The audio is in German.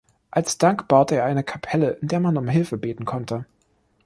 Als Dank baute er eine Kapelle, in der man um Hilfe beten konnte.